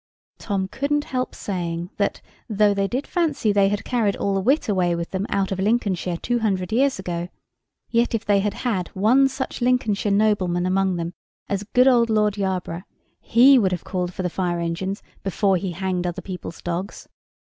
Tom couldn't help saying that though they did fancy they had carried all the wit away with them out of Lincolnshire two hundred years ago, yet if they had had one such Lincolnshire nobleman among them as good old Lord Yarborough, he would have called for the fire engines before he hanged other people's dogs.